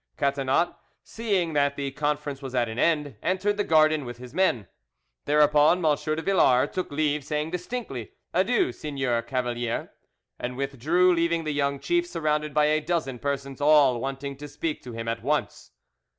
Catinat seeing that the conference was at an end, entered the garden with his men. Thereupon M. de Villars took leave, saying distinctly, "Adieu, Seigneur Cavalier," and withdrew, leaving the young chief surrounded by a dozen persons all wanting to speak to him at once.